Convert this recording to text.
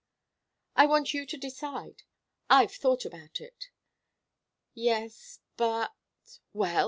"I want you to decide. I've thought about it." "Yes but " "Well?